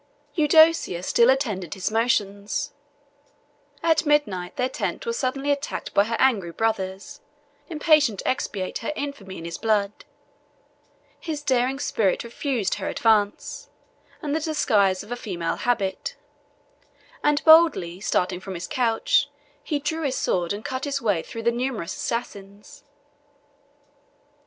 Eudocia still attended his motions: at midnight, their tent was suddenly attacked by her angry brothers, impatient to expiate her infamy in his blood: his daring spirit refused her advice, and the disguise of a female habit; and, boldly starting from his couch, he drew his sword, and cut his way through the numerous assassins.